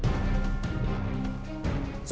สวัสดีครับ